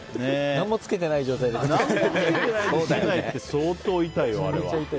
何もつけてない状態の竹刀は相当痛いよ、あれは。